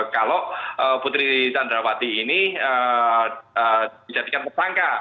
kalau putri sandrawati ini dijadikan pesangka